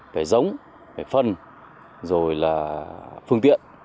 phải giống phải phân rồi là phương tiện